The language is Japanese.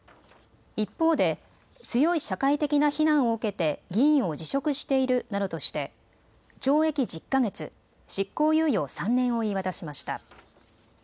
一方で、強い社会的な非難を受けて議員を辞職しているなどとして懲役１０か月、執行猶予３年を言い渡しました。